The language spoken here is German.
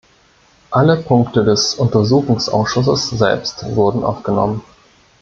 Alle Punkte des Untersuchungsausschusses selbst wurden aufgenommen.